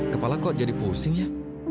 kepala kok jadi pusing ya